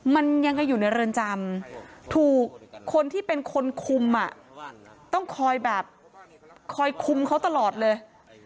มันยังอยู่ในเรือนจำถูกคนที่เป็นคนคุมอ่ะต้องคอยแบบคอยคุมเขาตลอดเลย